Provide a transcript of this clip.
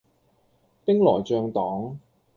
兵來將擋